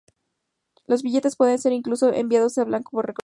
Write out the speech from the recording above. Los billetes pueden ser, incluso, enviados al banco por correo.